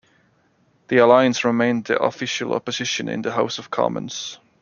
The Alliance remained the Official Opposition in the House of Commons.